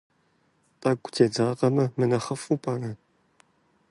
ТӀэкӀу дедзакъэмэ мынэхъыфӀу пӀэрэ?